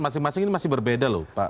masing masing ini masih berbeda